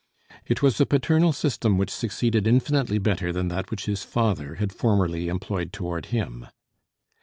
It was a paternal system which succeeded infinitely better than that which his father had formerly employed toward him.